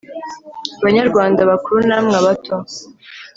banyarwanda abakuru namwe abato